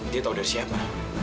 dia tahu dari siapa